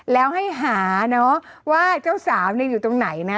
แล้วให้หาเนอะว่าเจ้าสาวอยู่ตรงไหนนะ